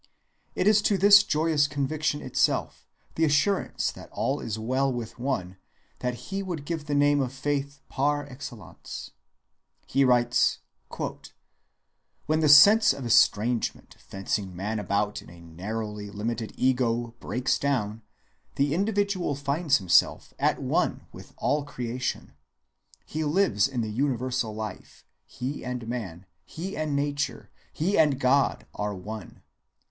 It is to the joyous conviction itself, the assurance that all is well with one, that he would give the name of faith par excellence. "When the sense of estrangement," he writes, "fencing man about in a narrowly limited ego, breaks down, the individual finds himself 'at one with all creation.' He lives in the universal life; he and man, he and nature, he and God, are one.